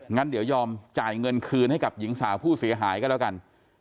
งั้นเดี๋ยวยอมจ่ายเงินคืนให้กับหญิงสาวผู้เสียหายก็แล้วกัน